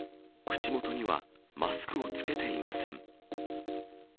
口元にはマスクを着けていません。